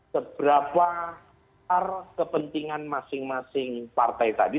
seberapa kepentingan masing masing partai tadi